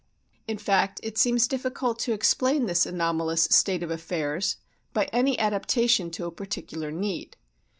In fact, it seems difficult to explain this anomalous state of affairs by any adaptation to a particular need.